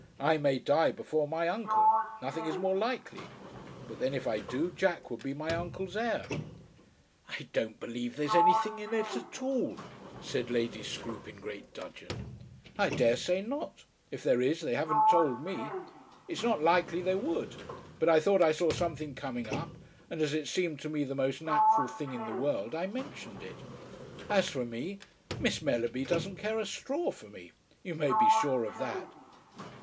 I may die before my uncle. Nothing is more likely. But then, if I do, Jack would be my uncle's heir." "I don't believe there's anything in it at all," said Lady Scroope in great dudgeon. "I dare say not. If there is, they haven't told me. It's not likely they would. But I thought I saw something coming up, and as it seemed to be the most natural thing in the world, I mentioned it. As for me, Miss Mellerby doesn't care a straw for me. You may be sure of that."